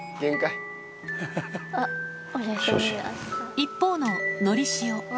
一方ののりしお。